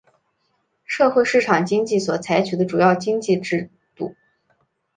社会市场经济所采取的主要经济制度。